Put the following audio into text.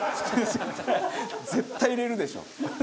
絶対入れるでしょ。